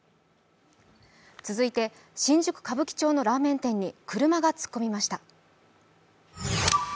続いて、新宿・歌舞伎町のラーメン店に車が突っ込みました。